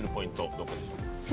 どこでしょうか？